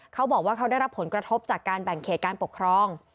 เขาบอกว่าเขาได้รับผลกระทบจากการแบ่งเขตการปกครอง